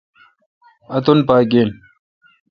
اتن پا گیہ۔